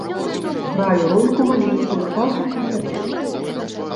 Граю рольку маленькую таты і дзядулі.